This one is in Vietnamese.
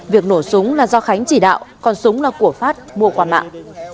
việc nổ súng là do khánh chỉ đạo còn súng là của phát mua qua mạng